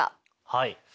はい。